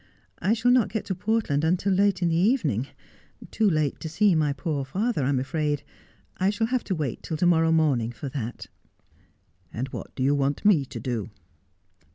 I shall not get to Portland until late in the evening ; too late to see my poor father, I'm afraid. I shall have to wait till to morrow morning for that.' ' And what do you want me to do